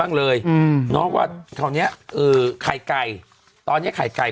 เลยอืมน้องว่าคราวเนี้ยเออไข่ไก่ตอนเนี้ยไข่ไก่